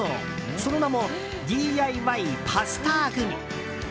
その名もＤＩＹパスタグミ。